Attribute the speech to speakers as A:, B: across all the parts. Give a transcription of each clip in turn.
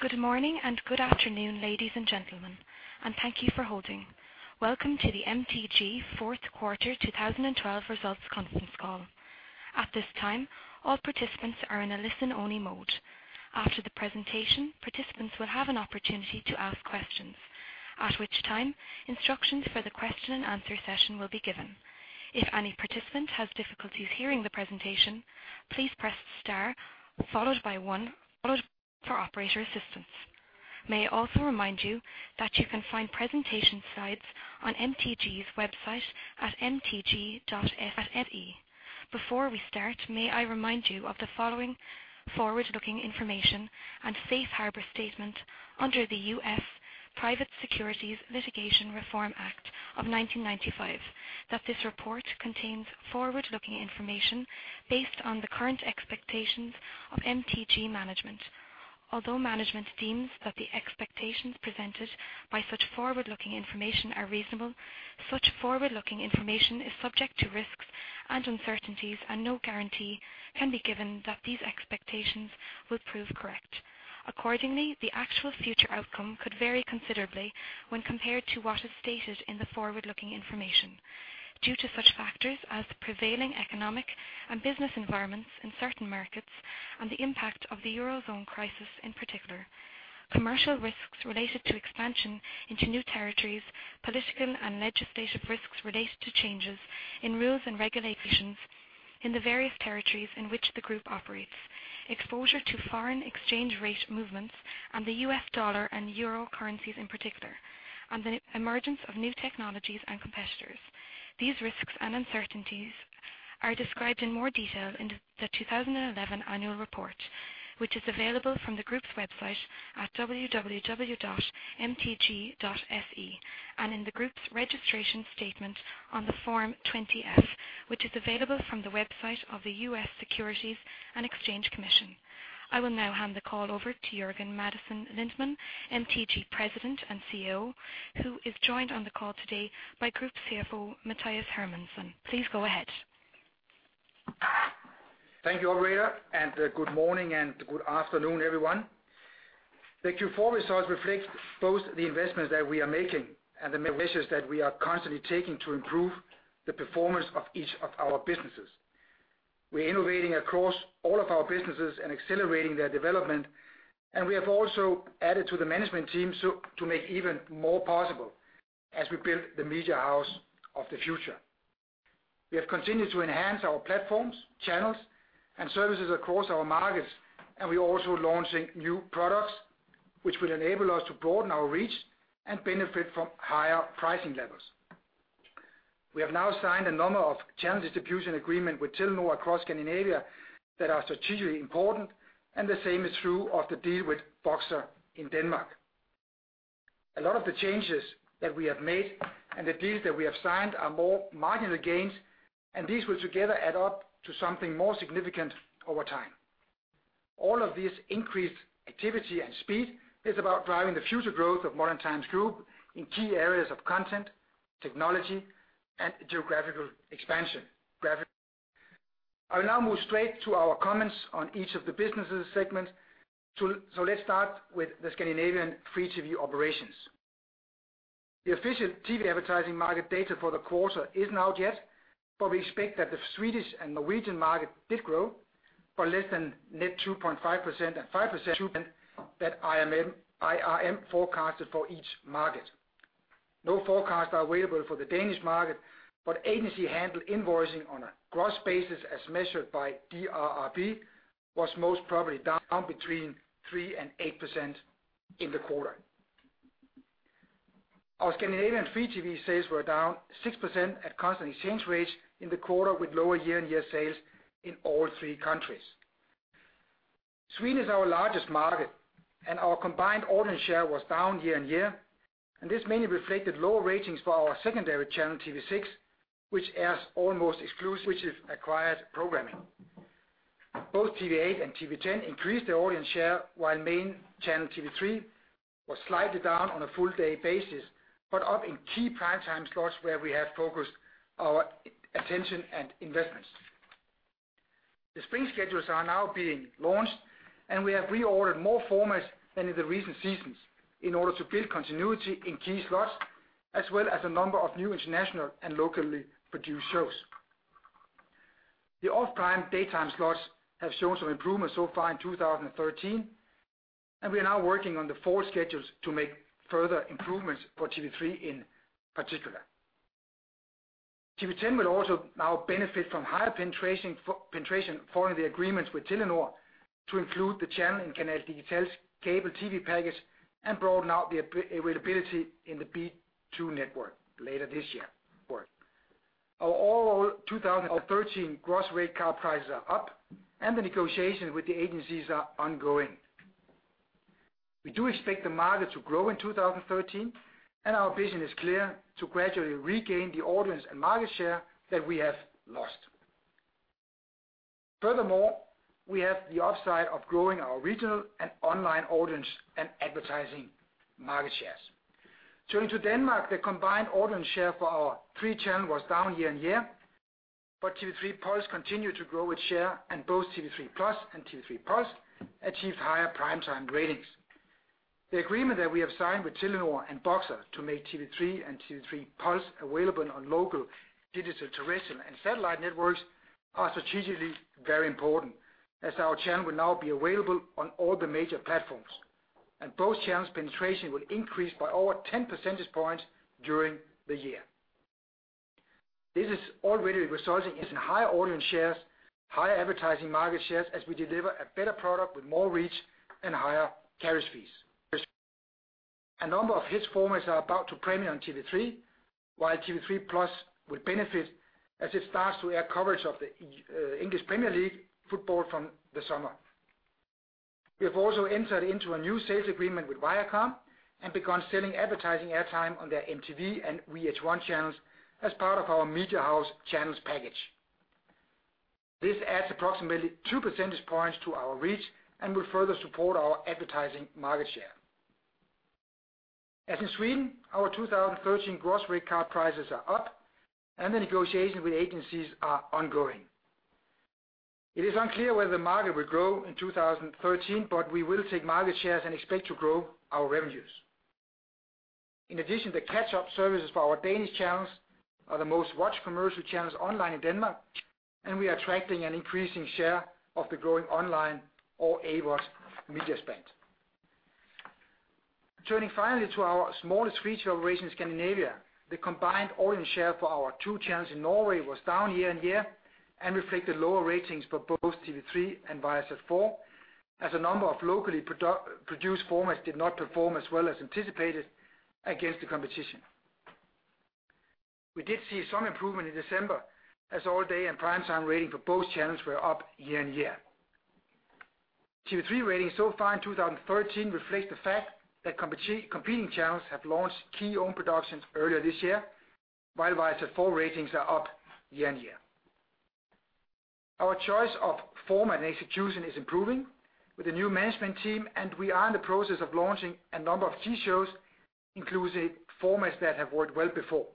A: Good morning and good afternoon, ladies and gentlemen, and thank you for holding. Welcome to the MTG fourth quarter 2012 results conference call. At this time, all participants are in a listen-only mode. After the presentation, participants will have an opportunity to ask questions, at which time, instructions for the question and answer session will be given. If any participant has difficulties hearing the presentation, please press star followed by one, followed for operator assistance. May I also remind you that you can find presentation slides on MTG's website at mtg.se. Before we start, may I remind you of the following forward-looking information and safe harbor statement under the U.S. Private Securities Litigation Reform Act of 1995, that this report contains forward-looking information based on the current expectations of MTG management. Although management deems that the expectations presented by such forward-looking information are reasonable, such forward-looking information is subject to risks and uncertainties, and no guarantee can be given that these expectations will prove correct. Accordingly, the actual future outcome could vary considerably when compared to what is stated in the forward-looking information due to such factors as prevailing economic and business environments in certain markets and the impact of the Eurozone crisis, in particular. Commercial risks related to expansion into new territories, political and legislative risks related to changes in rules and regulations in the various territories in which the group operates, exposure to foreign exchange rate movements and the U.S. dollar and euro currencies in particular, and the emergence of new technologies and competitors. These risks and uncertainties are described in more detail in the 2011 annual report, which is available from the group's website at mtg.se and in the group's registration statement on the Form 20-F, which is available from the website of the U.S. Securities and Exchange Commission. I will now hand the call over to Jørgen Madsen Lindemann, MTG President and CEO, who is joined on the call today by Group CFO Mathias Hermansson. Please go ahead.
B: Thank you, operator. Good morning and good afternoon, everyone. The Q4 results reflect both the investments that we are making and the measures that we are constantly taking to improve the performance of each of our businesses. We're innovating across all of our businesses and accelerating their development. We have also added to the management team to make even more possible as we build the Media House of the future. We have continued to enhance our platforms, channels, and services across our markets. We're also launching new products, which will enable us to broaden our reach and benefit from higher pricing levels. We have now signed a number of channel distribution agreement with Telmore across Scandinavia that are strategically important. The same is true of the deal with Boxer in Denmark. A lot of the changes that we have made and the deals that we have signed are more marginal gains, and these will together add up to something more significant over time. All of this increased activity and speed is about driving the future growth of Modern Times Group in key areas of content, technology, and geographical expansion. I will now move straight to our comments on each of the business segments. Let's start with the Scandinavian free TV operations. The official TV advertising market data for the quarter isn't out yet, but we expect that the Swedish and Norwegian market did grow by less than net 2.5% and 5% that IRM forecasted for each market. No forecasts are available for the Danish market, but agency-handled invoicing on a gross basis, as measured by DRB, was most probably down between 3% and 8% in the quarter. Our Scandinavian free TV sales were down 6% at constant exchange rates in the quarter with lower year-on-year sales in all three countries. Sweden is our largest market, and our combined audience share was down year-on-year, and this mainly reflected lower ratings for our secondary channel, TV6, which airs almost exclusive acquired programming. Both TV8 and TV10 increased their audience share, while main channel TV3 was slightly down on a full day basis, but up in key prime time slots where we have focused our attention and investments. The spring schedules are now being launched, and we have reordered more formats than in the recent seasons in order to build continuity in key slots, as well as a number of new international and locally produced shows. The off-prime daytime slots have shown some improvement so far in 2013, and we are now working on the fall schedules to make further improvements for TV3 in particular. TV10 will also now benefit from higher penetration following the agreements with Telenor to include the channel in Canal Digital's cable TV package and broaden out the availability in the V2 network later this year. Our overall 2013 gross rate card prices are up, and the negotiations with the agencies are ongoing. We do expect the market to grow in 2013, and our vision is clear: to gradually regain the audience and market share that we have lost. Furthermore, we have the upside of growing our regional and online audience and advertising market shares. Turning to Denmark, the combined audience share for our three channels was down year-on-year. TV3+ continued to grow its share, and both TV3+ and TV3 Puls achieved higher prime time ratings. The agreement that we have signed with Telenor and Boxer to make TV3 and TV3 Puls available on local digital, terrestrial, and satellite networks are strategically very important, as our channel will now be available on all the major platforms. Both channels' penetration will increase by over 10 percentage points during the year. This is already resulting in some higher audience shares, higher advertising market shares as we deliver a better product with more reach and higher carriage fees. A number of hit formats are about to premiere on TV3, while TV3+ will benefit as it starts to add coverage of the English Premier League football from the summer. We have also entered into a new sales agreement with Viacom and begun selling advertising airtime on their MTV and VH1 channels as part of our Media House channels package. This adds approximately two percentage points to our reach and will further support our advertising market share. As in Sweden, our 2013 gross rate card prices are up, and the negotiation with agencies are ongoing. It is unclear whether the market will grow in 2013, but we will take market shares and expect to grow our revenues. In addition, the catch-up services for our Danish channels are the most-watched commercial channels online in Denmark, and we are attracting an increasing share of the growing online or AWOT media spend. Turning finally to our smallest retail operation in Scandinavia, the combined audience share for our two channels in Norway was down year-on-year and reflected lower ratings for both TV3 and Viasat 4, as a number of locally produced formats did not perform as well as anticipated against the competition. We did see some improvement in December as all-day and prime time rating for both channels were up year-on-year. TV3 ratings so far in 2013 reflects the fact that competing channels have launched key own productions earlier this year, while Viasat 4 ratings are up year-on-year. Our choice of format and execution is improving with the new management team, and we are in the process of launching a number of key shows, including formats that have worked well before.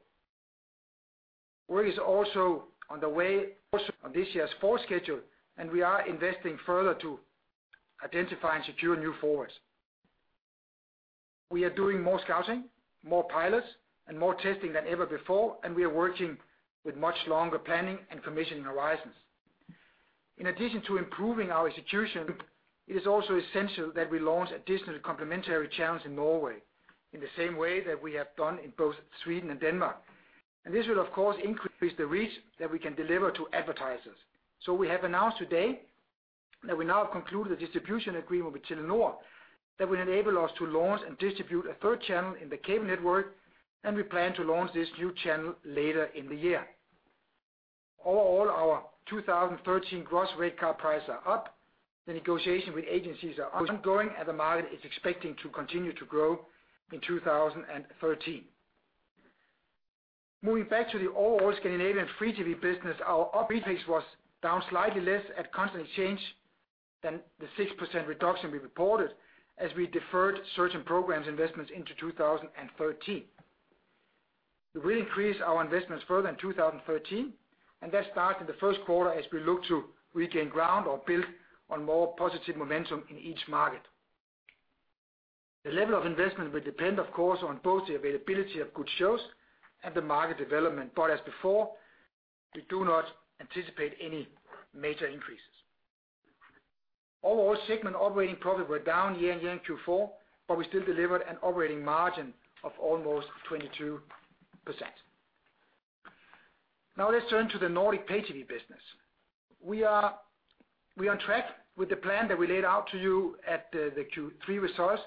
B: Work is also on the way on this year's fall schedule, and we are investing further to identify and secure new formats. We are doing more scouting, more pilots, and more testing than ever before, and we are working with much longer planning and commissioning horizons. In addition to improving our execution, it is also essential that we launch additional complimentary channels in Norway in the same way that we have done in both Sweden and Denmark. This will, of course, increase the reach that we can deliver to advertisers. We have announced today that we now have concluded a distribution agreement with Telenor that will enable us to launch and distribute a third channel in the cable network, and we plan to launch this new channel later in the year. Overall, our 2013 gross rate card prices are up, the negotiation with agencies are ongoing, and the market is expecting to continue to grow in 2013. Moving back to the overall Scandinavian free TV business, our upbeat pace was down slightly less at constant exchange than the 6% reduction we reported as we deferred certain programs investments into 2013. We will increase our investments further in 2013, and that started the first quarter as we look to regain ground or build on more positive momentum in each market. The level of investment will depend, of course, on both the availability of good shows and the market development. But as before, we do not anticipate any major increases. Overall segment operating profit were down year-on-year in Q4, but we still delivered an operating margin of almost 22%. Now let's turn to the Nordic pay TV business. We are on track with the plan that we laid out to you at the Q3 results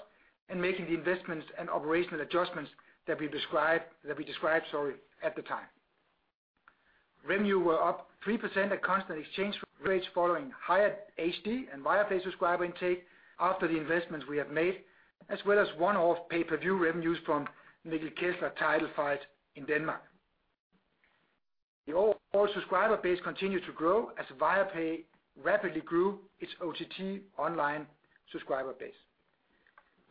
B: and making the investments and operational adjustments that we described at the time. Revenue were up 3% at constant exchange rates following higher HD and Viaplay subscriber intake after the investments we have made, as well as one-off pay-per-view revenues from Mikkel Kessler title fight in Denmark. The overall subscriber base continued to grow as Viaplay rapidly grew its OTT online subscriber base.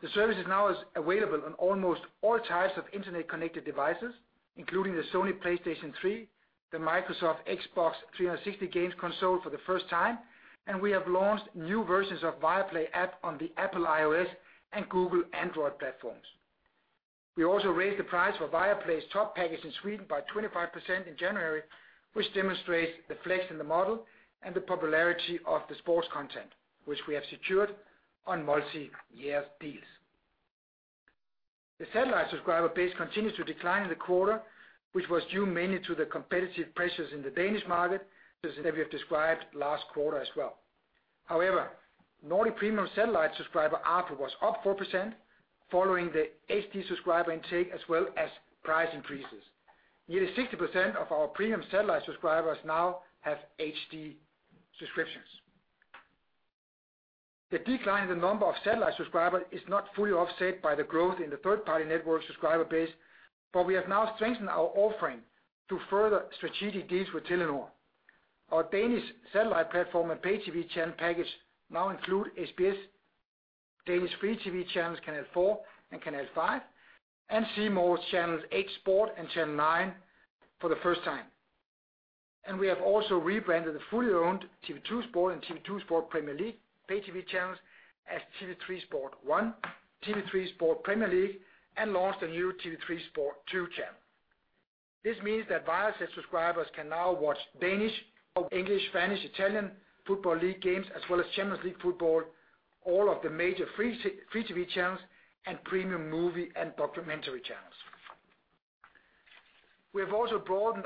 B: The service is now available on almost all types of internet-connected devices, including the Sony PlayStation 3, the Microsoft Xbox 360 games console for the first time, and we have launched new versions of Viaplay app on the Apple iOS and Google Android platforms. We also raised the price for Viaplay's top package in Sweden by 25% in January, which demonstrates the flex in the model and the popularity of the sports content, which we have secured on multiyear deals. The satellite subscriber base continued to decline in the quarter, which was due mainly to the competitive pressures in the Danish market that we have described last quarter as well. However, Nordic premium satellite subscriber ARPU was up 4%, following the HD subscriber intake, as well as price increases. Nearly 60% of our premium satellite subscribers now have HD subscriptions. The decline in the number of satellite subscribers is not fully offset by the growth in the third-party network subscriber base, but we have now strengthened our offering through further strategic deals with Telenor. Our Danish satellite platform and pay TV channel package now include SBS Danish free TV channels, Kanal 4 and Kanal 5, and C More's channels, C More Sport and Canal 9 for the first time. We have also rebranded the fully owned TV 2 Sport and TV 2 Sport Premier League pay TV channels as TV3 Sport 1, TV3 Sport Premier League, and launched a new TV3 Sport 2 channel. This means that Viasat subscribers can now watch Danish, English, Spanish, Italian football league games, as well as Champions League football, all of the major free TV channels, and premium movie and documentary channels. We have also broadened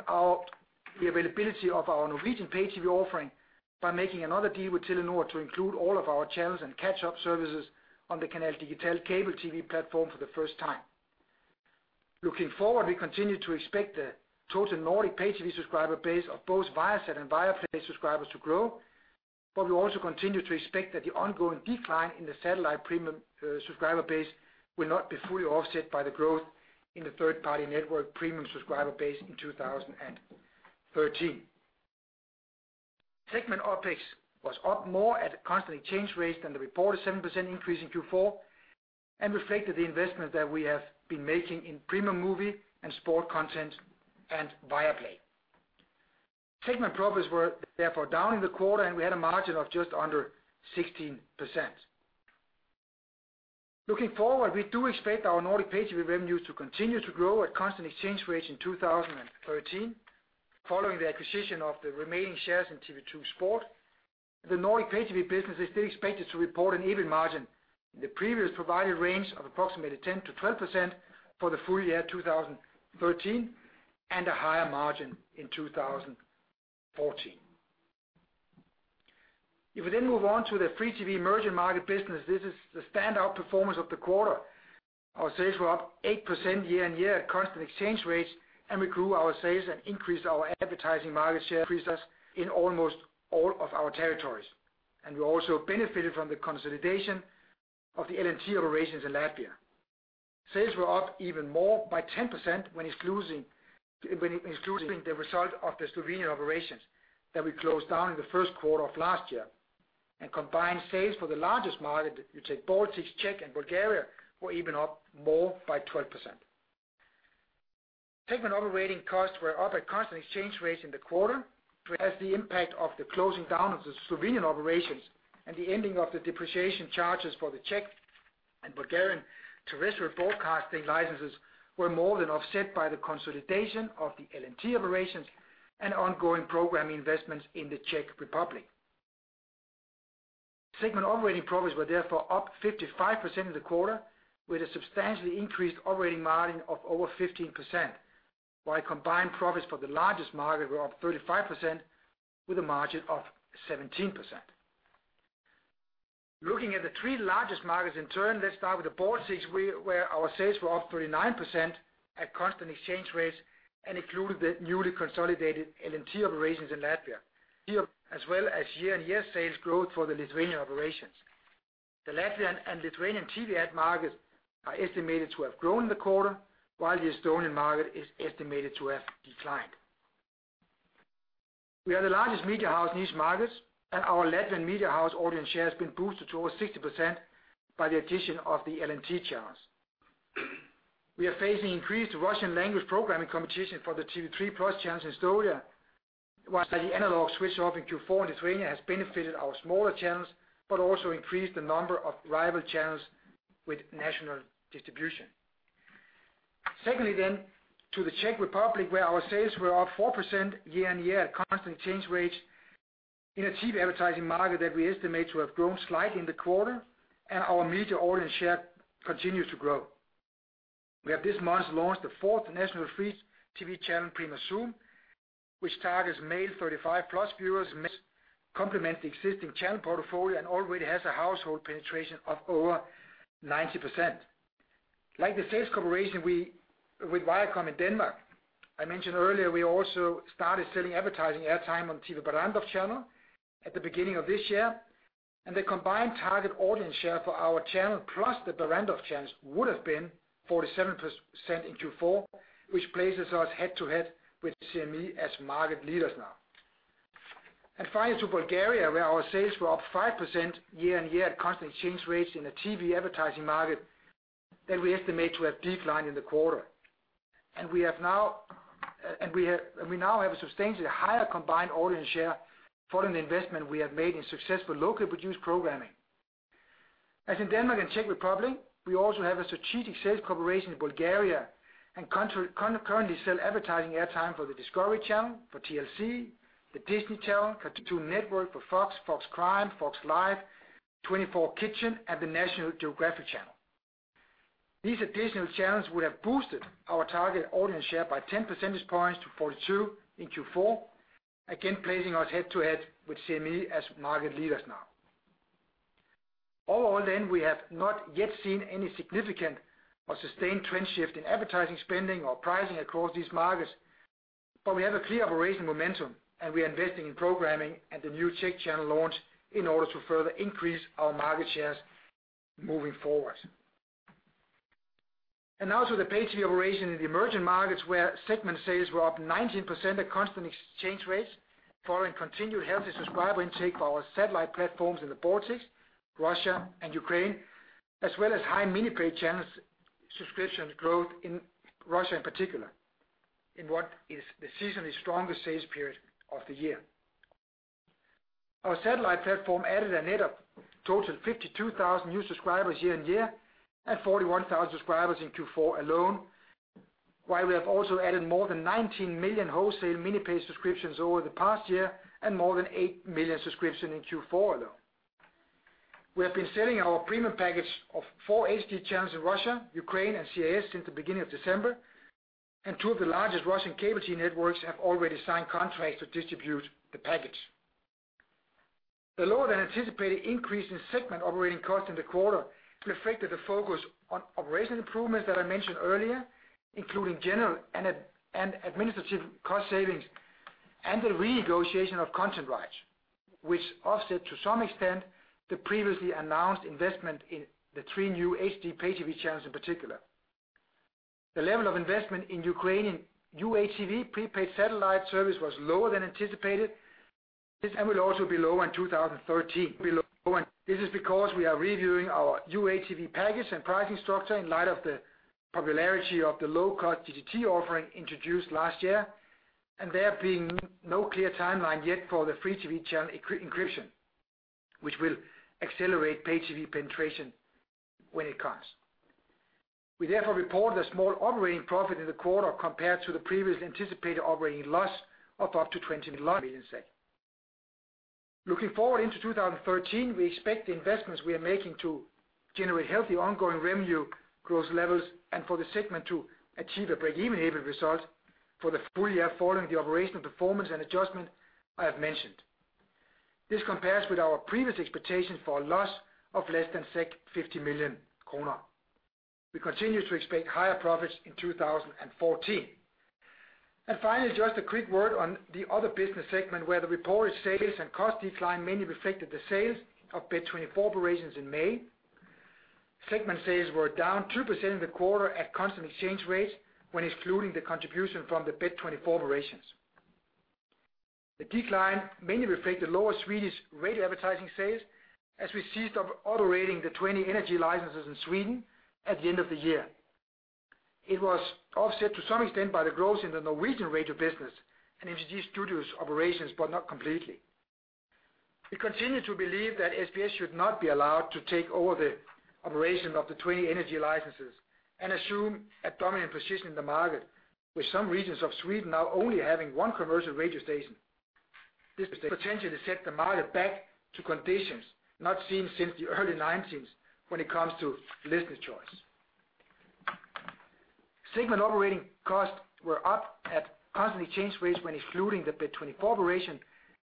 B: the availability of our Norwegian pay TV offering by making another deal with Telenor to include all of our channels and catch-up services on the Canal Digital cable TV platform for the first time. Looking forward, we continue to expect the total Nordic pay TV subscriber base of both Viasat and Viaplay subscribers to grow, but we also continue to expect that the ongoing decline in the satellite premium subscriber base will not be fully offset by the growth in the third-party network premium subscriber base in 2013. Segment OpEx was up more at a constant exchange rate than the reported 7% increase in Q4 and reflected the investment that we have been making in premium movie and sport content and Viaplay. Segment profits were therefore down in the quarter, and we had a margin of just under 16%. Looking forward, we do expect our Nordic pay-TV revenues to continue to grow at constant exchange rates in 2013. Following the acquisition of the remaining shares in TV 2 Sport, the Nordic Pay-TV business is still expected to report an EBIT margin in the previously provided range of approximately 10%-12% for the full year 2013 and a higher margin in 2014. We then move on to the free TV emerging market business, this is the standout performance of the quarter. Our sales were up 8% year-on-year at constant exchange rates. We grew our sales and increased our advertising market share in almost all of our territories. We also benefited from the consolidation of the LNT operations in Latvia. Sales were up even more by 10% when excluding the result of the Slovenian operations that we closed down in the first quarter of last year. Combined sales for the largest market, Baltics, Czech, and Bulgaria, were even up more by 12%. Segment operating costs were up at constant exchange rates in the quarter as the impact of the closing down of the Slovenian operations and the ending of the depreciation charges for the Czech and Bulgarian terrestrial broadcasting licenses were more than offset by the consolidation of the LNT operations and ongoing program investments in the Czech Republic. Segment operating profits were therefore up 55% in the quarter with a substantially increased operating margin of over 15%, while combined profits for the largest market were up 35% with a margin of 17%. Looking at the three largest markets in turn, let us start with the Baltics, where our sales were up 39% at constant exchange rates and included the newly consolidated LNT operations in Latvia, as well as year-on-year sales growth for the Lithuanian operations. The Latvian and Lithuanian TV ad markets are estimated to have grown in the quarter, while the Estonian market is estimated to have declined. We are the largest media house in these markets, and our Latvian media house audience share has been boosted to over 60% by the addition of the LNT channels. We are facing increased Russian language programming competition for the TV3+ channels in Estonia, while the analog switch-off in Q4 in Lithuania has benefited our smaller channels, but also increased the number of rival channels with national distribution. Secondly, to the Czech Republic, where our sales were up 4% year-on-year at constant exchange rates in a TV advertising market that we estimate to have grown slightly in the quarter. Our media audience share continues to grow. We have this month launched the fourth national free TV channel, Prima Zoom, which targets male 35-plus viewers, complements the existing channel portfolio, and already has a household penetration of over 90%. Like the sales cooperation with Viacom in Denmark I mentioned earlier, we also started selling advertising airtime on TV Barrandov channel at the beginning of this year, and the combined target audience share for our channel plus the Barrandov channels would have been 47% in Q4, which places us head-to-head with CME as market leaders now. Finally, to Bulgaria, where our sales were up 5% year-on-year at constant exchange rates in a TV advertising market that we estimate to have declined in the quarter. We now have a substantially higher combined audience share following the investment we have made in successful locally produced programming. In Denmark and Czech Republic, we also have a strategic sales cooperation in Bulgaria and currently sell advertising airtime for the Discovery Channel, for TLC, the Disney Channel, Cartoon Network, for FOX Crime, FOX Life, 24Kitchen, and the National Geographic Channel. These additional channels would have boosted our target audience share by 10 percentage points to 42 in Q4, again placing us head-to-head with CME as market leaders now. Overall, we have not yet seen any significant or sustained trend shift in advertising spending or pricing across these markets, but we have a clear operating momentum, and we are investing in programming and the new Czech channel launch in order to further increase our market shares moving forward. Also the pay TV operation in the emerging markets where segment sales were up 19% at constant exchange rates, following continued healthy subscriber intake for our satellite platforms in the Baltics, Russia, and Ukraine, as well as high mini-pay channels subscriptions growth in Russia in particular, in what is the seasonally strongest sales period of the year. Our satellite platform added a net of total 52,000 new subscribers year-on-year and 41,000 subscribers in Q4 alone, while we have also added more than 19 million wholesale mini-pay subscriptions over the past year and more than eight million subscriptions in Q4 alone. We have been selling our premium package of four HD channels in Russia, Ukraine, and CIS since the beginning of December, and two of the largest Russian cable TV networks have already signed contracts to distribute the package. The lower than anticipated increase in segment operating costs in the quarter reflected the focus on operational improvements that I mentioned earlier, including general and administrative cost savings and the renegotiation of content rights, which offset, to some extent, the previously announced investment in the three new HD pay TV channels in particular. The level of investment in Ukrainian UATV prepaid satellite service was lower than anticipated, and will also be lower in 2013. This is because we are reviewing our UATV package and pricing structure in light of the popularity of the low-cost DTT offering introduced last year, and there being no clear timeline yet for the free-to-TV channel encryption, which will accelerate pay TV penetration when it comes. We therefore report a small operating profit in the quarter compared to the previous anticipated operating loss of up to 20 million SEK. Looking forward into 2013, we expect the investments we are making to generate healthy ongoing revenue growth levels and for the segment to achieve a break-even EBITDA result for the full year following the operational performance and adjustment I have mentioned. This compares with our previous expectation for a loss of less than 50 million kronor. Finally, just a quick word on the other business segment where the reported sales and cost decline mainly reflected the sales of Bet24 operations in May. Segment sales were down 2% in the quarter at constant exchange rates when excluding the contribution from the Bet24 operations. The decline mainly reflect the lower Swedish radio advertising sales, as we ceased operating the 20 energy licenses in Sweden at the end of the year. It was offset to some extent by the growth in the Norwegian radio business and MTG Studios operations, but not completely. We continue to believe that SBS should not be allowed to take over the operation of the 20 energy licenses and assume a dominant position in the market, with some regions of Sweden now only having one commercial radio station. This potentially set the market back to conditions not seen since the early 1990s when it comes to listener choice. Segment operating costs were up at constant exchange rates when excluding the Bet24 operation,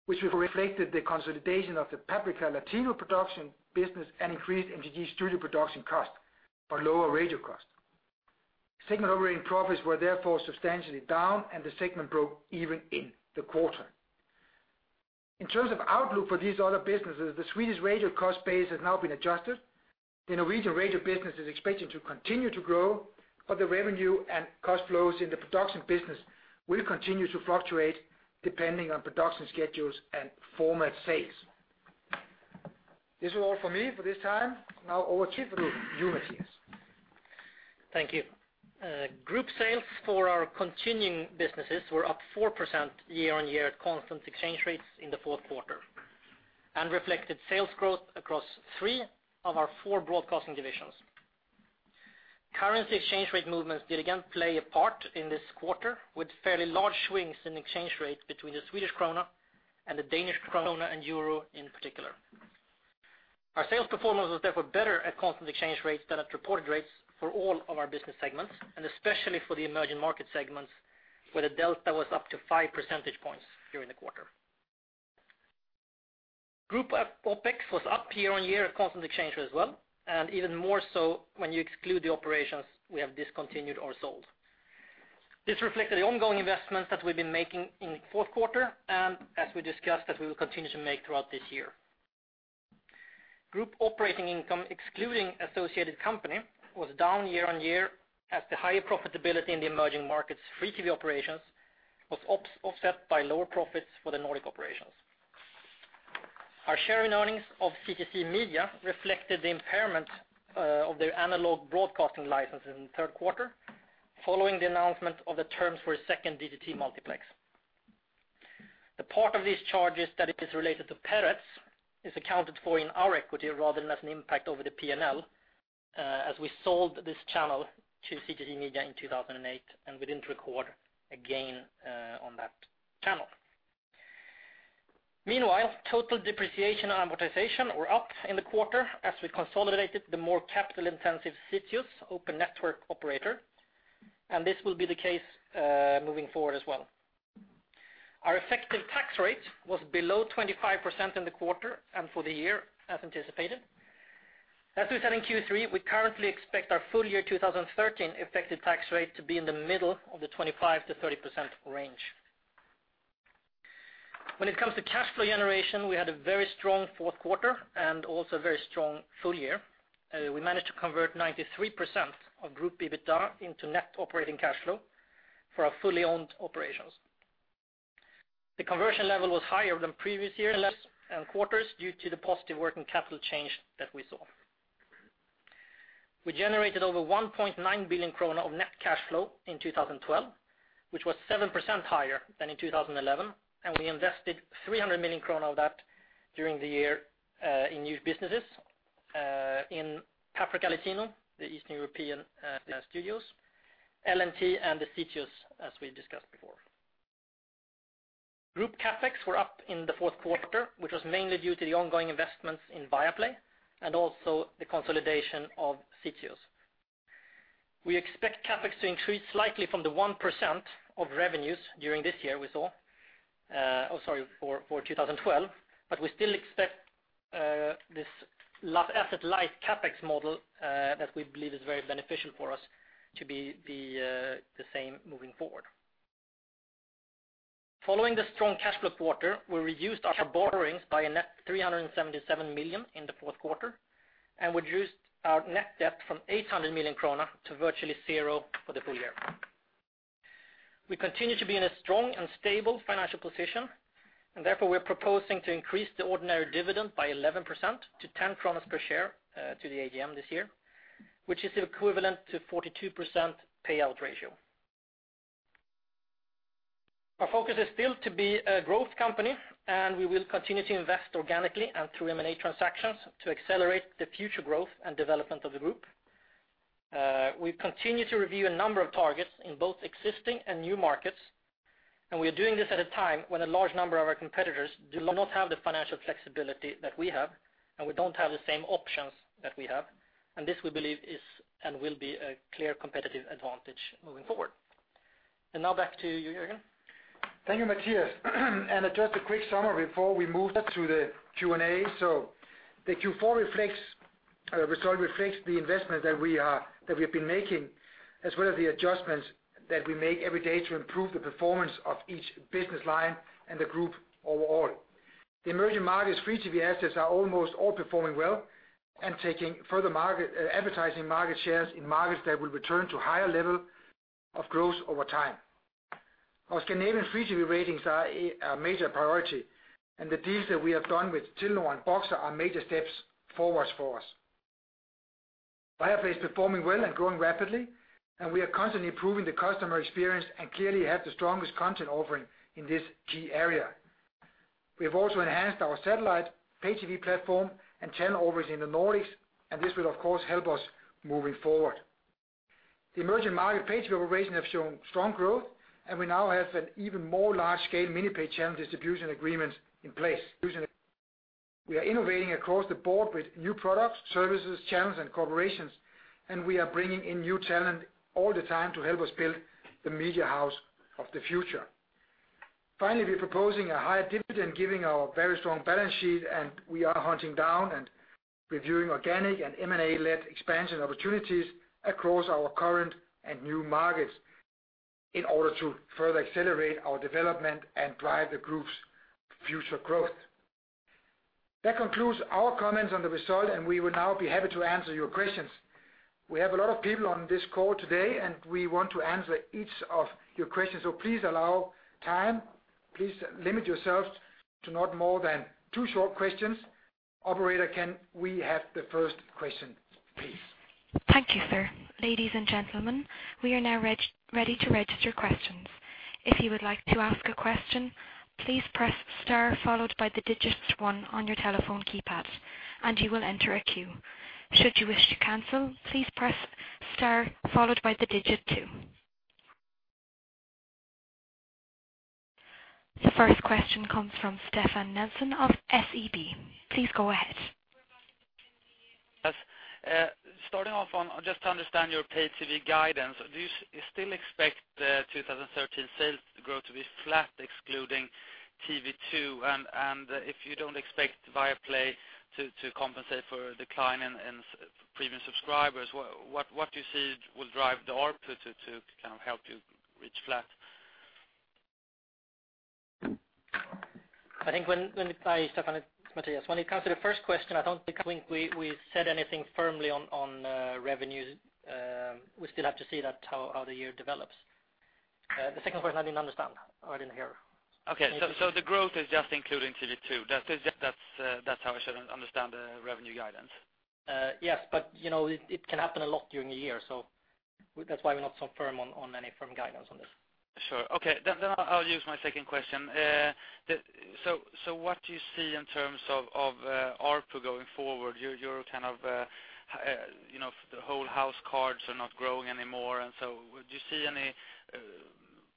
B: which reflected the consolidation of the Paprika Latino production business and increased MTG Studios production cost, but lower radio cost. Segment operating profits were therefore substantially down and the segment broke even in the quarter. In terms of outlook for these other businesses, the Swedish radio cost base has now been adjusted. The Norwegian radio business is expected to continue to grow, but the revenue and cost flows in the production business will continue to fluctuate, depending on production schedules and format sales. This is all for me for this time. Over to Jonas.
C: Thank you. Group sales for our continuing businesses were up 4% year-on-year at constant exchange rates in the fourth quarter, reflected sales growth across three of our four broadcasting divisions. Currency exchange rate movements did again play a part in this quarter, with fairly large swings in exchange rates between the Swedish krona and the Danish krona and euro in particular. Our sales performance was therefore better at constant exchange rates than at reported rates for all of our business segments, especially for the emerging market segments where the delta was up to 5 percentage points during the quarter. Group OpEx was up year-on-year at constant exchange rate as well, even more so when you exclude the operations we have discontinued or sold. This reflected the ongoing investments that we've been making in the fourth quarter, as we discussed, that we will continue to make throughout this year. Group operating income, excluding associated company, was down year-on-year as the higher profitability in the emerging markets' free TV operations was offset by lower profits for the Nordic operations. Our share in earnings of CTC Media reflected the impairment of their analog broadcasting license in the third quarter, following the announcement of the terms for a second DTT multiplex. The part of these charges that it is related to Peretz is accounted for in our equity rather than as an impact over the P&L, as we sold this channel to CTC Media in 2008, we didn't record again on that channel. Meanwhile, total depreciation amortization were up in the quarter as we consolidated the more capital-intensive Sitios open network operator, this will be the case moving forward as well. Our effective tax rate was below 25% in the quarter and for the year, as anticipated. As we said in Q3, we currently expect our full year 2013 effective tax rate to be in the middle of the 25%-30% range. When it comes to cash flow generation, we had a very strong fourth quarter, also a very strong full year. We managed to convert 93% of group EBITDA into net operating cash flow for our fully owned operations. The conversion level was higher than previous years and quarters due to the positive working capital change that we saw. We generated over 1.9 billion krona of net cash flow in 2012, which was 7% higher than in 2011, we invested 300 million of that during the year in new businesses, in Paprika Latino, the Eastern European studios, LNT, and the CTAs, as we discussed before. Group CapEx were up in the fourth quarter, which was mainly due to the ongoing investments in Viaplay also the consolidation of CTAs. We expect CapEx to increase slightly from the 1% of revenues during this year we saw. For 2012, we still expect this asset-light CapEx model, that we believe is very beneficial for us, to be the same moving forward. Following the strong cash flow quarter, we reduced our borrowings by a net 377 million in the fourth quarter, reduced our net debt from 800 million krona to virtually zero for the full year. We continue to be in a strong and stable financial position, therefore we're proposing to increase the ordinary dividend by 11% to 10 per share to the AGM this year, which is equivalent to 42% payout ratio. Our focus is still to be a growth company, we will continue to invest organically and through M&A transactions to accelerate the future growth and development of the group. We've continued to review a number of targets in both existing and new markets, we are doing this at a time when a large number of our competitors do not have the financial flexibility that we have, we don't have the same options that we have, this we believe is and will be a clear competitive advantage moving forward. Now back to you, Jørgen.
B: Thank you, Mathias. Just a quick summary before we move to the Q&A. The Q4 reflects the investment that we have been making as well as the adjustments that we make every day to improve the performance of each business line and the group overall. The emerging markets free TV assets are almost all performing well taking further advertising market shares in markets that will return to higher level of growth over time. Our Scandinavian free TV ratings are a major priority, the deals that we have done with Telenor and Boxer are major steps forwards for us. Viaplay is performing well and growing rapidly, we are constantly improving the customer experience and clearly have the strongest content offering in this key area. We have also enhanced our satellite pay TV platform and channel offerings in the Nordics. This will of course help us moving forward. The emerging market pay TV operations have shown strong growth. We now have an even more large-scale mini-pay channel distribution agreement in place. We are innovating across the board with new products, services, channels, and corporations. We are bringing in new talent all the time to help us build the Media House of the future. Finally, we are proposing a higher dividend giving our very strong balance sheet. We are hunting down and reviewing organic and M&A-led expansion opportunities across our current and new markets in order to further accelerate our development and drive the group's future growth. That concludes our comments on the result. We will now be happy to answer your questions. We have a lot of people on this call today. We want to answer each of your questions. Please allow time. Please limit yourselves to not more than two short questions. Operator, can we have the first question, please?
A: Thank you, sir. Ladies and gentlemen, we are now ready to register questions. If you would like to ask a question, please press star followed by the digits one on your telephone keypad. You will enter a queue. Should you wish to cancel, please press star followed by the digit two. The first question comes from Stefan Nelson of SEB. Please go ahead.
D: Yes. Starting off, just to understand your pay TV guidance, do you still expect the 2013 sales growth to be flat excluding TV2? If you don't expect Viaplay to compensate for a decline in premium subscribers, what do you see will drive the ARPU to kind of help you reach flat?
C: Hi, Stefan, it's Mathias. When it comes to the first question, I don't think we said anything firmly on revenue. We still have to see how the year develops. The second question, I didn't understand, or I didn't hear.
D: Okay. The growth is just including TV 2. That's how I should understand the revenue guidance.
C: Yes, it can happen a lot during a year, that's why we're not so firm on any firm guidance on this.
D: Sure. Okay. I'll use my second question. What do you see in terms of ARPU going forward? The whole households are not growing anymore, do you see any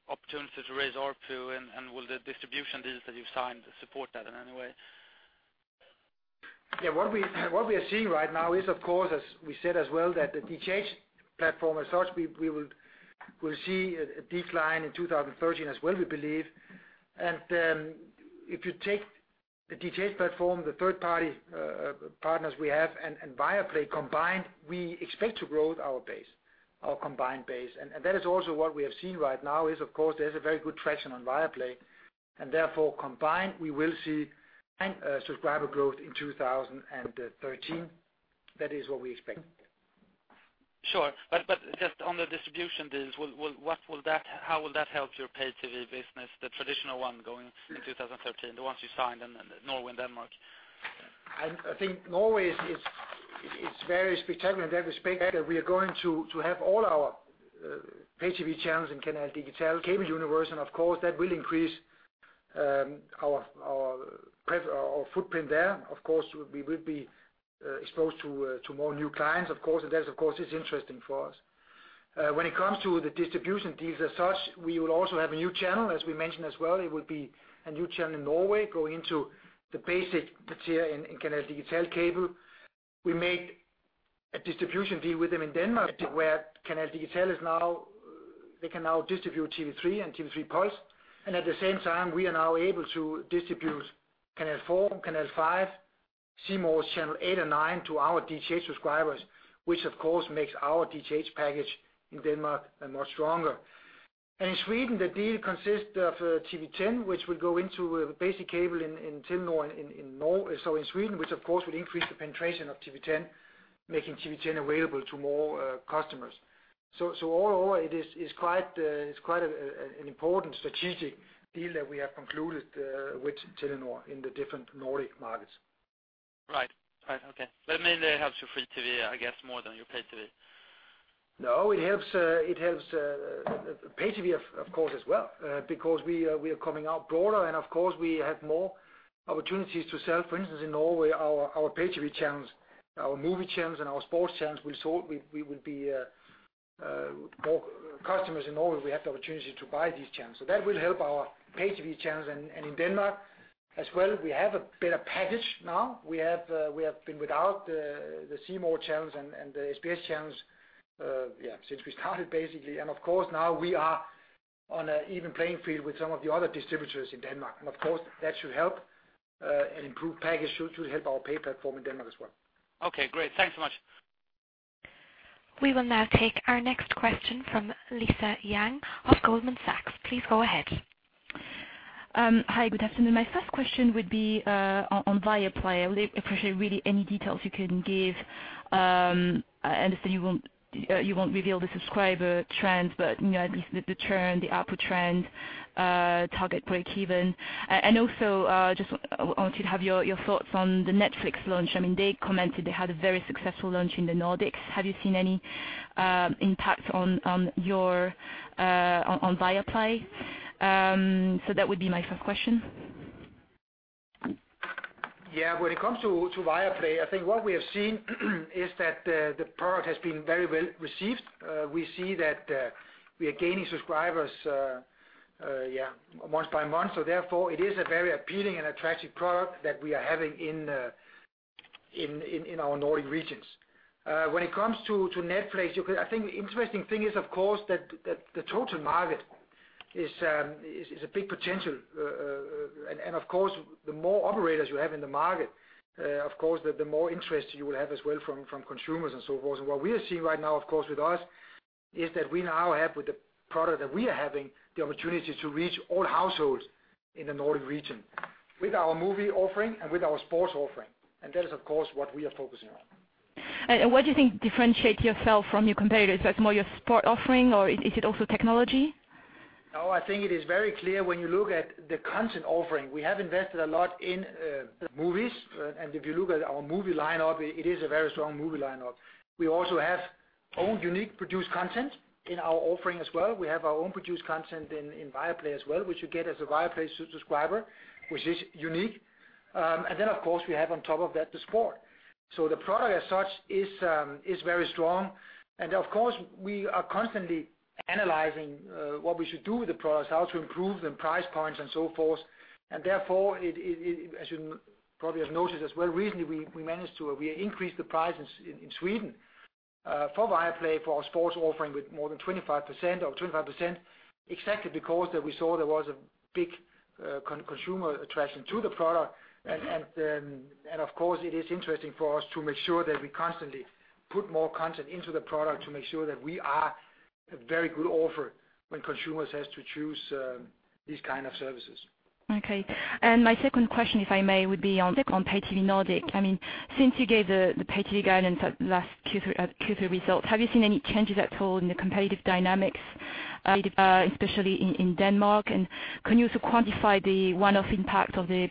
D: opportunity to raise ARPU, will the distribution deals that you've signed support that in any way?
B: What we are seeing right now is, of course, as we said as well, that the DTH platform as such, we will see a decline in 2013 as well, we believe. If you take the DTH platform, the third-party partners we have, and Viaplay combined, we expect to grow our combined base. That is also what we have seen right now is, of course, there's a very good traction on Viaplay, and therefore combined, we will see subscriber growth in 2013. That is what we expect.
D: Sure. Just on the distribution deals, how will that help your pay TV business, the traditional one going into 2013, the ones you signed in Norway and Denmark?
B: I think Norway is very spectacular in that respect, that we are going to have all our pay TV channels in Canal Digital cable universe. Of course, that will increase our footprint there. Of course, we will be exposed to more new clients, and that is interesting for us. When it comes to the distribution deals as such, we will also have a new channel, as we mentioned as well. It will be a new channel in Norway going into the basic tier in Canal Digital cable. We made a distribution deal with them in Denmark, where Canal Digital can now distribute TV3 and TV3 Puls. At the same time, we are now able to distribute Canal 4, Canal 5, C More channel eight and nine to our DTH subscribers, which of course makes our DTH package in Denmark much stronger. In Sweden, the deal consists of TV10, which will go into basic cable in Telenor in Sweden, which of course will increase the penetration of TV10, making TV10 available to more customers. Overall, it's quite an important strategic deal that we have concluded with Telenor in the different Nordic markets.
D: Right. Okay. Mainly it helps your free TV, I guess, more than your pay TV.
B: No, it helps pay TV, of course, as well because we are coming out broader and we have more opportunities to sell. For instance, in Norway, our pay TV channels, our movie channels, and our sports channels, we thought we would be more customers in Norway. We have the opportunity to buy these channels. That will help our pay TV channels. In Denmark as well, we have a better package now. We have been without the C More channels and the SBS channels since we started, basically. Of course, now we are on an even playing field with some of the other distributors in Denmark. Of course, that should help an improved package, should help our pay platform in Denmark as well.
D: Okay, great. Thanks so much.
A: We will now take our next question from Lisa Yang of Goldman Sachs. Please go ahead.
E: Hi, good afternoon. My first question would be on Viaplay. I would appreciate really any details you can give. I understand you won't reveal the subscriber trends, but at least the churn, the output trend, target breakeven. Just wanted to have your thoughts on the Netflix launch. They commented they had a very successful launch in the Nordics. Have you seen any impact on Viaplay? That would be my first question.
B: Yeah. When it comes to Viaplay, I think what we have seen is that the product has been very well received. We see that we are gaining subscribers month by month, it is a very appealing and attractive product that we are having in our Nordic regions. When it comes to Netflix, I think the interesting thing is, of course, that the total market is a big potential. The more operators you have in the market, the more interest you will have as well from consumers and so forth. What we are seeing right now, of course, with us, is that we now have with the product that we are having the opportunity to reach all households in the Nordic region with our movie offering and with our sports offering. That is, of course, what we are focusing on.
E: What do you think differentiates yourself from your competitors? It's more your sport offering, or is it also technology?
B: No, I think it is very clear when you look at the content offering. We have invested a lot in movies, if you look at our movie lineup, it is a very strong movie lineup. We also have own unique produced content in our offering as well. We have our own produced content in Viaplay as well, which you get as a Viaplay subscriber, which is unique. Then, of course, we have on top of that the sport. The product as such is very strong. Of course, we are constantly analyzing what we should do with the products, how to improve them, price points, and so forth. Therefore, as you probably have noticed as well recently, we increased the prices in Sweden for Viaplay for our sports offering with more than 25%, or 25%, exactly because we saw there was a big consumer attraction to the product. Of course, it is interesting for us to make sure that we constantly put more content into the product to make sure that we are a very good offer when consumers have to choose these kind of services.
E: Okay. My second question, if I may, would be on pay TV Nordic. Since you gave the pay TV guidance at last Q3 results, have you seen any changes at all in the competitive dynamics, especially in Denmark? Can you also quantify the one-off impact of the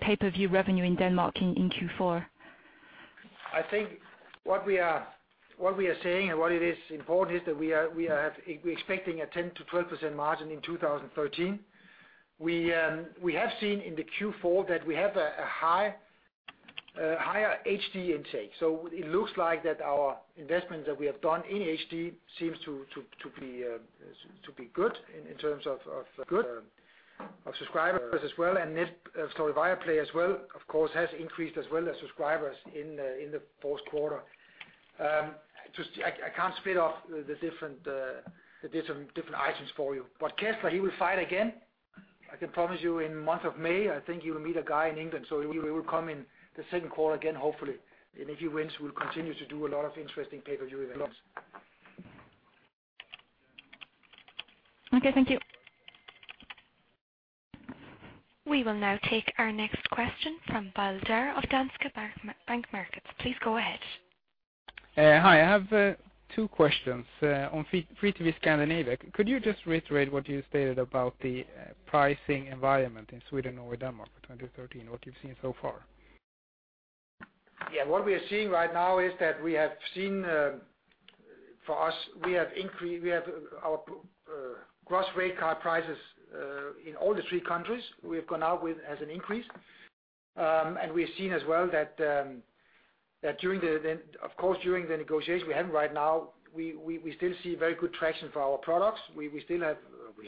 E: pay-per-view revenue in Denmark in Q4?
B: I think what we are saying and what it is important is that we're expecting a 10% to 12% margin in 2013. We have seen in the Q4 that we have a higher HD intake. It looks like that our investments that we have done in HD seems to be good in terms of subscribers as well. Viaplay as well, of course, has increased as well as subscribers in the fourth quarter. I can't split off the different items for you. Kessler, he will fight again. I can promise you in the month of May, I think he will meet a guy in England, so he will come in the second quarter again, hopefully. If he wins, we'll continue to do a lot of interesting pay-per-view events.
E: Okay, thank you.
A: We will now take our next question from Baldur of Danske Bank Markets. Please go ahead.
F: Hi, I have two questions. On free TV Scandinavia, could you just reiterate what you stated about the pricing environment in Sweden, Norway, Denmark for 2013, what you've seen so far?
B: Yeah. What we are seeing right now is that we have seen, for us, our gross rate card prices in all the three countries we have gone out with has increased. We have seen as well that of course during the negotiation we're having right now, we still see very good traction for our products. We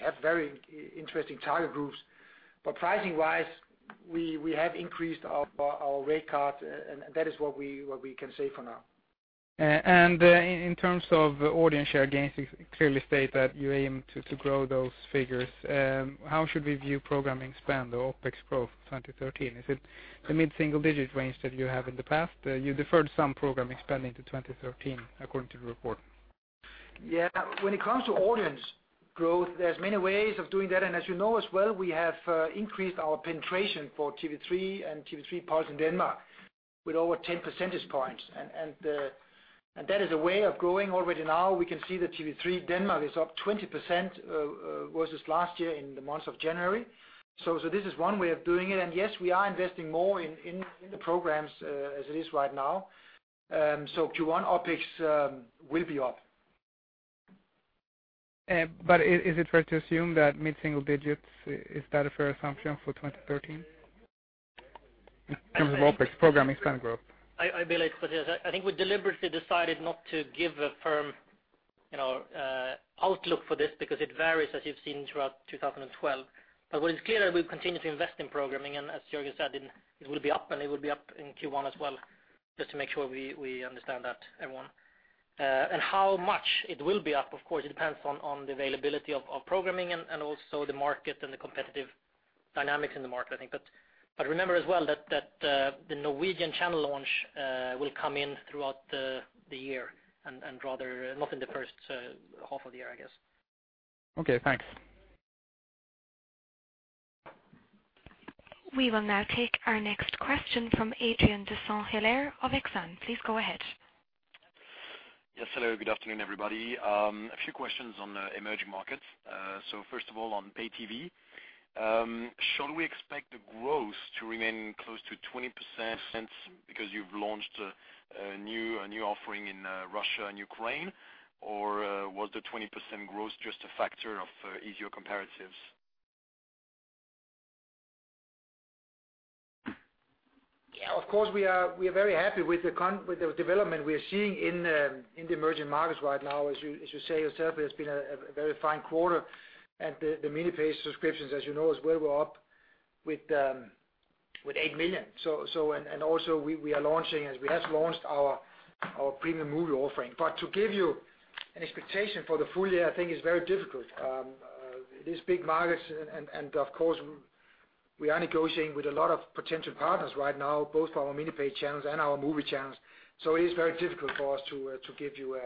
B: have very interesting target groups. Pricing wise, we have increased our rate card and that is what we can say for now.
F: In terms of audience share gains, you clearly state that you aim to grow those figures. How should we view programming spend or OpEx growth 2013? Is it the mid-single digit range that you have in the past? You deferred some programming spend into 2013 according to the report.
B: Yeah. When it comes to audience growth, there are many ways of doing that, and as you know as well, we have increased our penetration for TV3 and TV3+ in Denmark with over 10 percentage points. That is a way of growing. Already now we can see that TV3 Denmark is up 20% versus last year in the month of January. This is one way of doing it. Yes, we are investing more in the programs as it is right now. Q1 OpEx will be up.
F: Is it fair to assume that mid-single digits, is that a fair assumption for 2013 in terms of OpEx programming spend growth?
C: I believe, Mathias, I think we deliberately decided not to give a firm outlook for this because it varies, as you've seen throughout 2012. What is clear, we've continued to invest in programming, and as Jørgen said, it will be up, and it will be up in Q1 as well, just to make sure we understand that, everyone. How much it will be up, of course, it depends on the availability of programming and also the market and the competitive dynamics in the market, I think. Remember as well that the Norwegian channel launch will come in throughout the year and not in the first half of the year, I guess.
F: Okay, thanks.
A: We will now take our next question from Adrien de Saint Hilaire of Exane. Please go ahead.
G: Yes, hello. Good afternoon, everybody. A few questions on the emerging markets. First of all, on pay TV. Shall we expect the growth to remain close to 20% since because you've launched a new offering in Russia and Ukraine, or was the 20% growth just a factor of easier comparatives?
B: Yeah, of course, we are very happy with the development we are seeing in the emerging markets right now. As you say yourself, it's been a very fine quarter. The mini pay subscriptions, as you know as well, were up with 8 million. Also we have launched our premium movie offering. To give you an expectation for the full year, I think is very difficult. It is big markets and of course we are negotiating with a lot of potential partners right now, both for our mini pay channels and our movie channels. It is very difficult for us to give you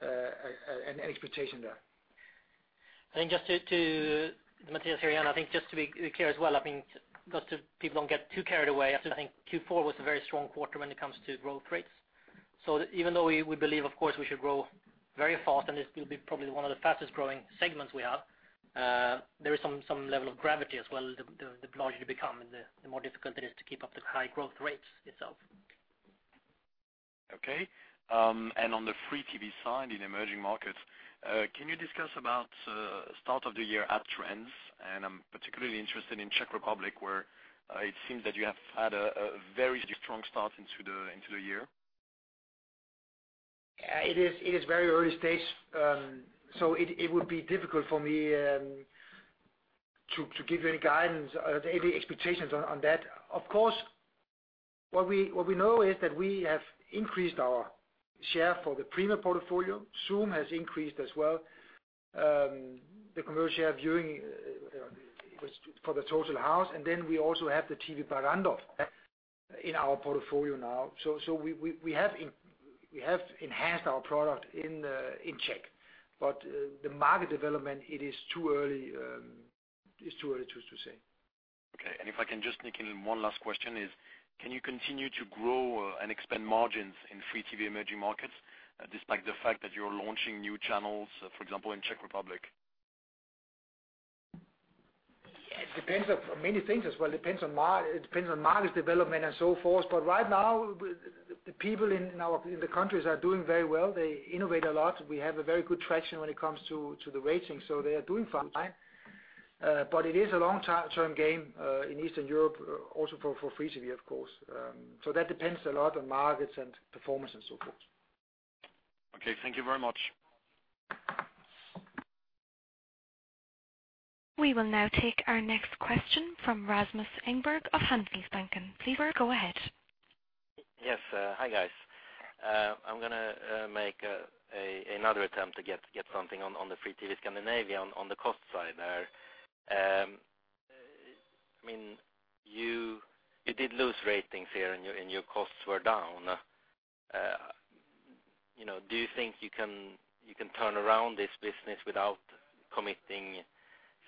B: an expectation there.
C: Mathias, here, just to be clear as well, just so people don't get too carried away. I think Q4 was a very strong quarter when it comes to growth rates. Even though we believe, of course, we should grow very fast and this will be probably one of the fastest-growing segments we have, there is some level of gravity as well. The larger you become, the more difficult it is to keep up the high growth rates itself.
G: Okay. On the free TV side in emerging markets, can you discuss about start of the year ad trends? I'm particularly interested in Czech Republic, where it seems that you have had a very strong start into the year.
B: It is very early stages, so it would be difficult for me to give any guidance, any expectations on that. Of course, what we know is that we have increased our share for the Premium portfolio. Zoom has increased as well. The commercial viewing for the Total House. We also have the TV Barrandov in our portfolio now. We have enhanced our product in Czech. The market development, it is too early to say.
G: Okay. If I can just sneak in one last question, can you continue to grow and expand margins in free TV emerging markets, despite the fact that you're launching new channels, for example, in Czech Republic?
B: It depends on many things as well. It depends on market development and so forth. Right now, the people in the countries are doing very well. They innovate a lot. We have a very good traction when it comes to the ratings. They are doing fine. It is a long-term game in Eastern Europe also for free TV, of course. That depends a lot on markets and performance and so forth.
G: Okay. Thank you very much.
A: We will now take our next question from Rasmus Engberg of Handelsbanken. Please go ahead.
H: Yes. Hi, guys. I'm going to make another attempt to get something on the free TV Scandinavia on the cost side there. You did lose ratings here and your costs were down. Do you think you can turn around this business without committing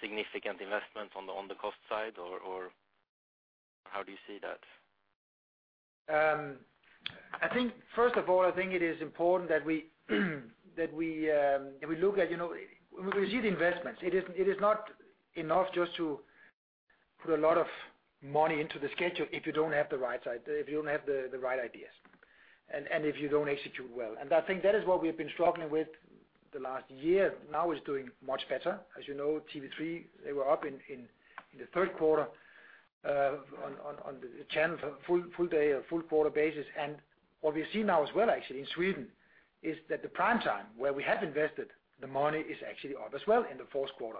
H: significant investments on the cost side, or how do you see that?
B: First of all, I think it is important that we proceed investments. It is not enough just to put a lot of money into the schedule if you don't have the right ideas and if you don't execute well. I think that is what we have been struggling with the last year. Now it's doing much better. As you know, TV3, they were up in the third quarter on the channel full day, full quarter basis. What we see now as well, actually, in Sweden is that the prime time where we have invested the money is actually up as well in the fourth quarter.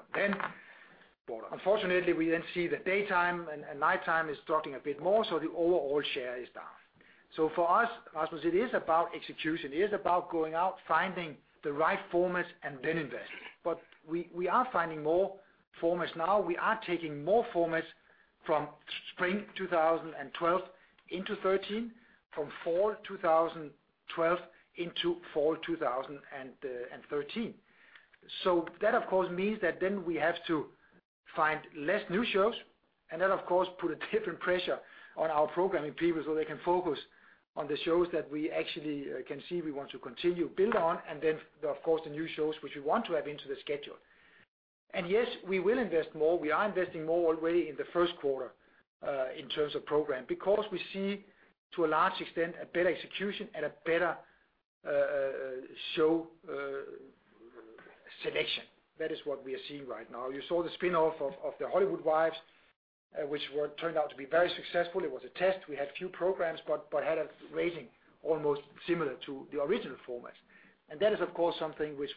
B: Unfortunately, we then see the daytime and nighttime is struggling a bit more, so the overall share is down. For us, Rasmus, it is about execution. It is about going out, finding the right formats, and then investing. We are finding more formats now. We are taking more formats from spring 2012 into 2013, from fall 2012 into fall 2013. That, of course, means that then we have to find less new shows, and that, of course, put a different pressure on our programming people so they can focus on the shows that we actually can see we want to continue build on, and then, of course, the new shows which we want to have into the schedule. Yes, we will invest more. We are investing more already in the first quarter in terms of program, because we see, to a large extent, a better execution and a better show selection. That is what we are seeing right now. You saw the spinoff of the Svenska Hollywoodfruar, which turned out to be very successful. It was a test. We had few programs, but had a rating almost similar to the original format. That is, of course, something which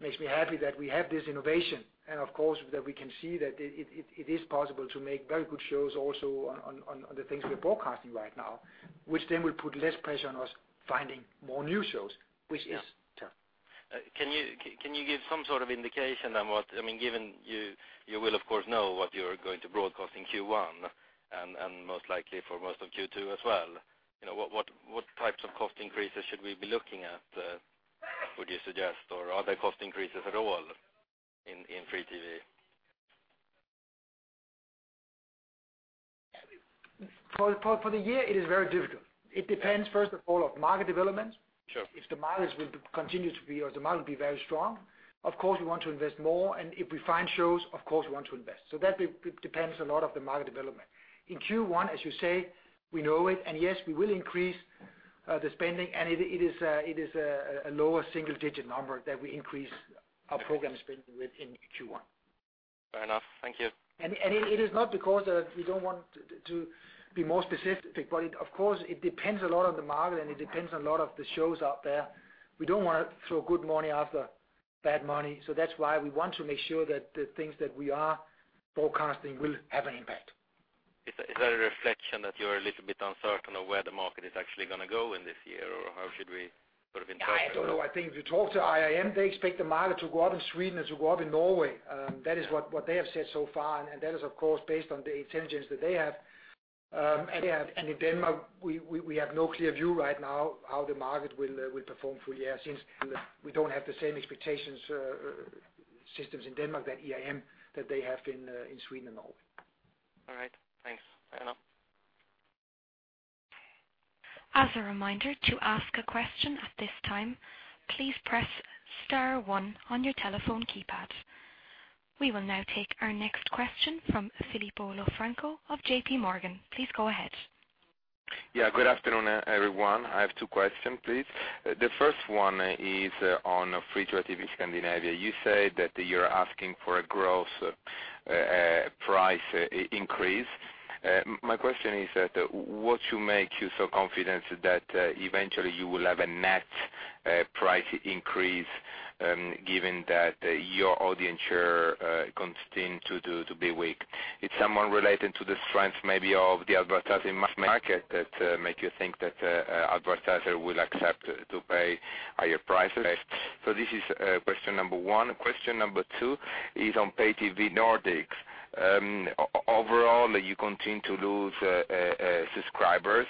B: makes me happy that we have this innovation and, of course, that we can see that it is possible to make very good shows also on the things we're broadcasting right now, which then will put less pressure on us finding more new shows, which is tough.
H: Can you give some sort of indication on what Given you will, of course, know what you're going to broadcast in Q1 and most likely for most of Q2 as well, what types of cost increases should we be looking at, would you suggest? Are there cost increases at all in free TV?
B: For the year, it is very difficult. It depends, first of all, on market development.
H: Sure.
B: If the market will continue to be, or the market be very strong, of course, we want to invest more. If we find shows, of course, we want to invest. That depends a lot of the market development. In Q1, as you say, we know it. Yes, we will increase the spending. It is a lower single-digit number that we increase our program spending with in Q1.
H: Fair enough. Thank you.
B: It is not because we don't want to be more specific. Of course, it depends a lot on the market. It depends a lot of the shows out there. We don't want to throw good money after bad money. That's why we want to make sure that the things that we are broadcasting will have an impact.
H: Is that a reflection that you're a little bit uncertain of where the market is actually going to go in this year, or how should we sort of interpret that?
B: I don't know. I think if you talk to IRM, they expect the market to go up in Sweden and to go up in Norway. That is what they have said so far, and that is, of course, based on the intelligence that they have. In Denmark, we have no clear view right now how the market will perform full year, since we don't have the same expectations systems in Denmark that IRM, that they have in Sweden and Norway.
H: All right. Thanks. Fair enough.
A: As a reminder, to ask a question at this time, please press star one on your telephone keypad. We will now take our next question from Filippo Lo Franco of JP Morgan. Please go ahead.
I: Yeah. Good afternoon, everyone. I have two questions, please. The first one is on free-to-air TV Scandinavia. You say that you're asking for a gross price increase. My question is that what should make you so confident that eventually you will have a net price increase, given that your audience share continue to be weak? It's somewhat related to the strength, maybe, of the advertising market that make you think that advertiser will accept to pay higher prices. This is question number one. Question number two is on pay TV Nordics. Overall, you continue to lose subscribers.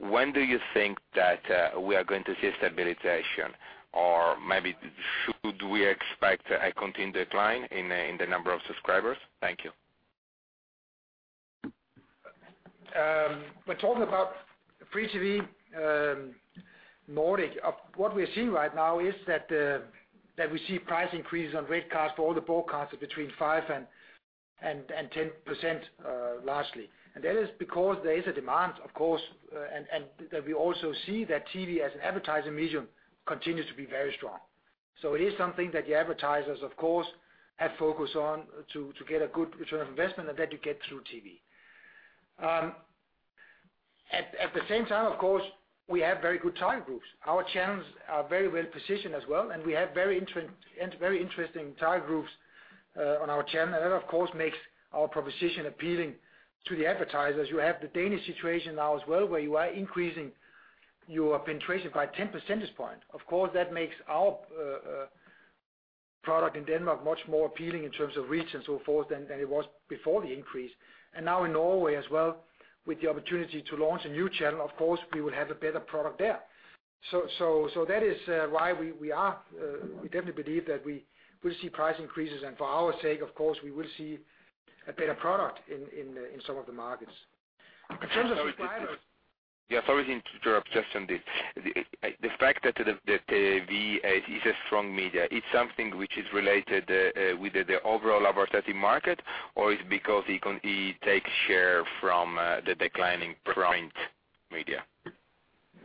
I: When do you think that we are going to see stabilization? Or maybe should we expect a continued decline in the number of subscribers? Thank you.
B: When talking about Free TV Nordic, what we are seeing right now is that we see price increases on rate cards for all the broadcasts between 5% and 10%, largely. That is because there is a demand, of course, and that we also see that TV as an advertising medium continues to be very strong. It is something that the advertisers, of course, have focus on to get a good return on investment and that you get through TV. At the same time, of course, we have very good target groups. Our channels are very well-positioned as well, and we have very interesting target groups on our channel. That, of course, makes our proposition appealing to the advertisers. You have the Danish situation now as well, where you are increasing your penetration by 10 percentage points. Of course, that makes our product in Denmark much more appealing in terms of reach and so forth than it was before the increase. Now in Norway as well, with the opportunity to launch a new channel, of course, we will have a better product there. That is why we definitely believe that we will see price increases and for our sake, of course, we will see a better product in some of the markets. In terms of subscribers-
I: Sorry to interrupt you on this. The fact that the TV is a strong medium, it's something that is related with the overall advertising market, or it's because it takes share from the declining print media?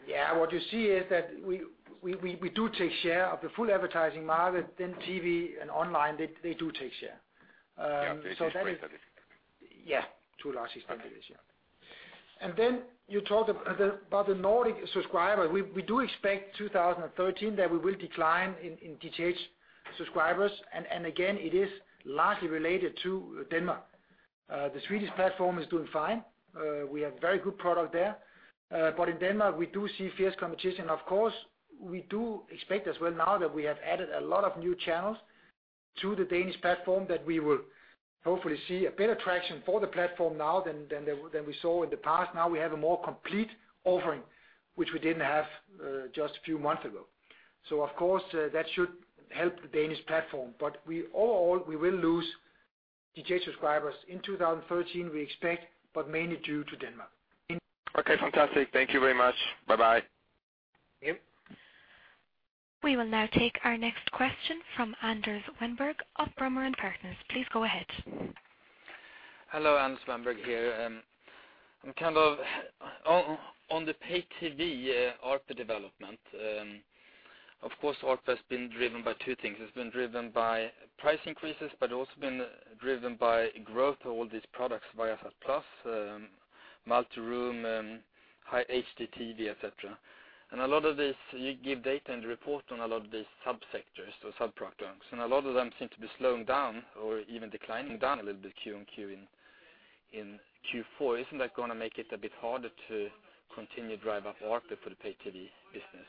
B: Yeah. What you see is that we do take share of the full advertising market, TV and online, they do take share.
I: Yeah.
B: Yeah. Two largest competitors, yeah. You talk about the Nordic subscriber. We do expect 2013 that we will decline in DTH subscribers. Again, it is largely related to Denmark. The Swedish platform is doing fine. We have very good product there. In Denmark we do see fierce competition. Of course, we do expect as well now that we have added a lot of new channels to the Danish platform, that we will hopefully see a better traction for the platform now than we saw in the past. Now we have a more complete offering, which we didn't have just a few months ago. Of course, that should help the Danish platform. All in all, we will lose DTH subscribers in 2013, we expect, but mainly due to Denmark.
I: Okay. Fantastic. Thank you very much. Bye bye.
B: Yep.
A: We will now take our next question from Anders Wennberg of Brummer & Partners. Please go ahead.
J: Hello, Anders Wennberg here. On the pay TV ARPU development, of course, ARPU has been driven by two things. It's been driven by price increases, but also been driven by growth of all these products, Viasat+, Multi-Room, HDTV, et cetera. A lot of this, you give data and report on a lot of these sub-sectors or sub-products, and a lot of them seem to be slowing down or even declining down a little bit Q on Q in Q4. Isn't that going to make it a bit harder to continue drive up ARPU for the pay TV business?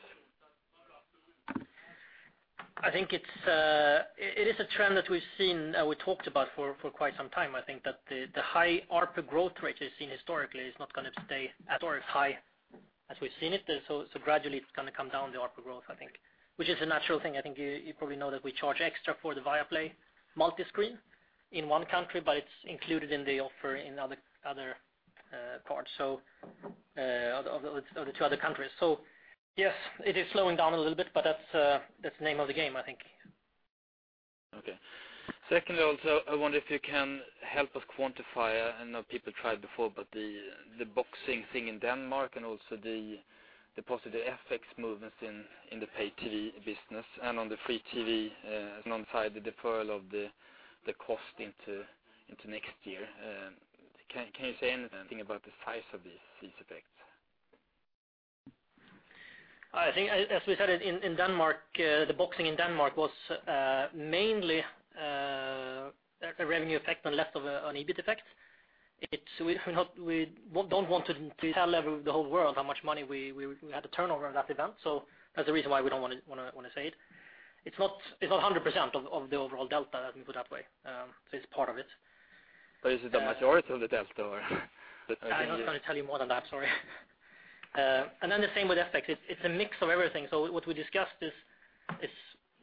C: I think it is a trend that we've seen, we talked about for quite some time. I think that the high ARPU growth rate you've seen historically is not going to stay at or as high as we've seen it. Gradually it's going to come down the ARPU growth, I think. Which is a natural thing. I think you probably know that we charge extra for the Viaplay multiscreen in one country, but it's included in the offer in the two other countries. Yes, it is slowing down a little bit, but that's the name of the game, I think.
J: Okay. Secondly, also, I wonder if you can help us quantify, I know people tried before, but the boxing thing in Denmark and also the positive FX movements in the pay TV business and on the free TV and on side the deferral of the cost into next year. Can you say anything about the size of these effects?
C: I think as we said, the boxing in Denmark was mainly a revenue effect and less of an EBIT effect. We don't want to tell the whole world how much money we had to turn over that event. That's the reason why we don't want to say it. It's not 100% of the overall delta, let me put it that way. It's part of it.
J: Is it the majority of the delta, or?
C: I'm not going to tell you more than that, sorry. Then the same with FX. It's a mix of everything. What we discussed is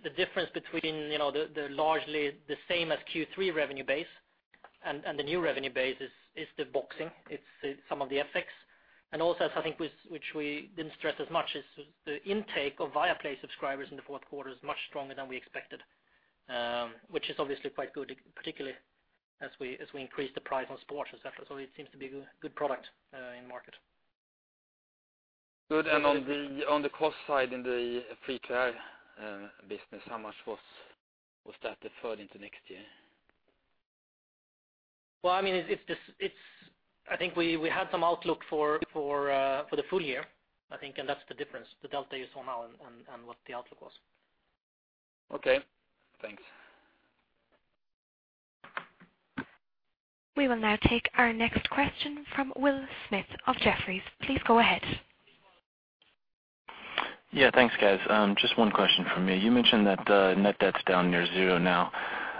C: the difference between the largely the same as Q3 revenue base and the new revenue base is the boxing. It's some of the FX. Also, I think, which we didn't stress as much is the intake of Viaplay subscribers in the fourth quarter is much stronger than we expected, which is obviously quite good, particularly as we increase the price on sports, et cetera. It seems to be a good product in market.
J: Good. On the cost side, in the free-to-air business, how much was that deferred into next year?
C: Well, I think we had some outlook for the full year, I think, that's the difference, the delta you saw now and what the outlook was.
J: Okay, thanks.
A: We will now take our next question from Will Smith of Jefferies. Please go ahead.
K: Yeah, thanks, guys. Just one question from me. You mentioned that net debt's down near zero now.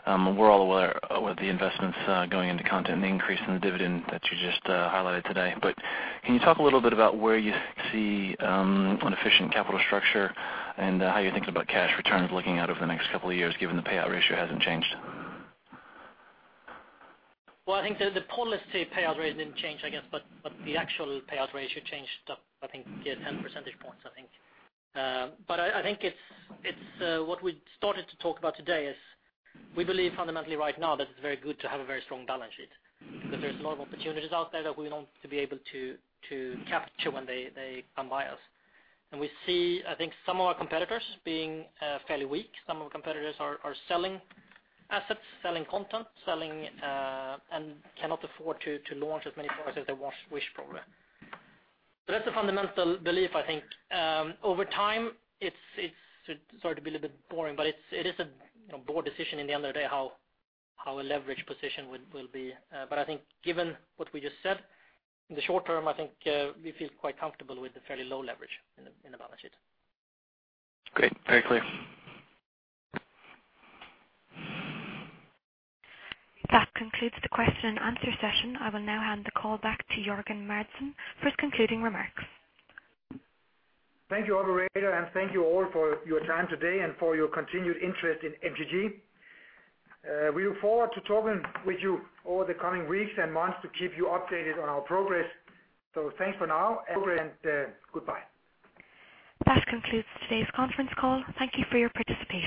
K: We're all aware with the investments going into content and the increase in the dividend that you just highlighted today. Can you talk a little bit about where you see an efficient capital structure and how you're thinking about cash returns looking out over the next couple of years, given the payout ratio hasn't changed?
C: Well, I think the policy payout rate didn't change, I guess, but the actual payout ratio changed up, I think, 10 percentage points, I think. I think what we started to talk about today is we believe fundamentally right now that it's very good to have a very strong balance sheet, that there's a lot of opportunities out there that we want to be able to capture when they come by us. We see, I think, some of our competitors being fairly weak. Some of our competitors are selling assets, selling content, and cannot afford to launch as many products as they wish program. That's a fundamental belief, I think. Over time, sorry to be a little bit boring, but it is a board decision at the end of the day how our leverage position will be. I think given what we just said, in the short term, I think we feel quite comfortable with the fairly low leverage in the balance sheet.
K: Great. Very clear.
A: That concludes the question and answer session. I will now hand the call back to Jørgen Madsen for his concluding remarks.
B: Thank you, operator, and thank you all for your time today and for your continued interest in MTG. We look forward to talking with you over the coming weeks and months to keep you updated on our progress. Thanks for now, and goodbye.
A: That concludes today's conference call. Thank you for your participation.